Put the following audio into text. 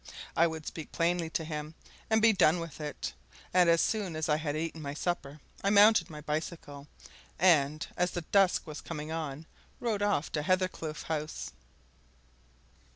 I would speak plainly to him, and be done with it. And as soon as I had eaten my supper, I mounted my bicycle, and, as the dusk was coming on, rode off to Hathercleugh House.